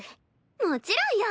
もちろんよ。